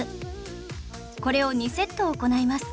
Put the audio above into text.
これを２セット行います